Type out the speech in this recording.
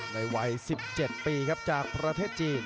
ในวัย๑๗ปีครับจากประเทศจีน